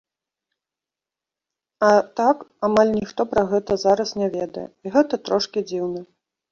А так амаль ніхто пра гэта зараз не ведае, і гэта трошкі дзіўна.